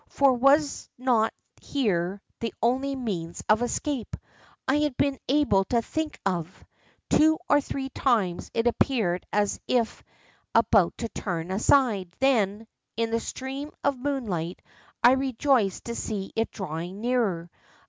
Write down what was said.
For was not here the only means of escape I had been able to think of ? Two or three times it appeared as if about to tnrn aside, then, in the stream of moonlight, I rejoiced to see it drawing nearer.